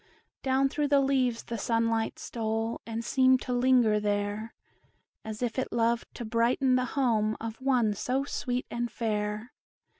Down through the leaves the sunlight stole, And seemed to linger there, As if it loved to brighten the home Of one so sweet and fair.